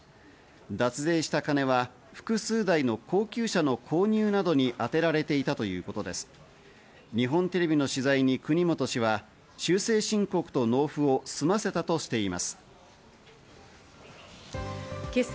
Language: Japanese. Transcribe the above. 脱税した金は複数台の高級車の購入などにあてられていたということです。